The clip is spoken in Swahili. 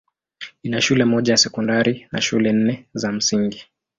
Ina shule moja ya sekondari na shule nne za msingi.